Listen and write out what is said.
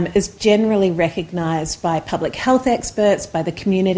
biasanya diperkenalkan oleh para eksperts kesehatan masyarakat